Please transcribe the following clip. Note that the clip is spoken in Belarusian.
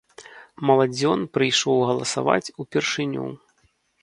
Маладзён прыйшоў галасаваць упершыню.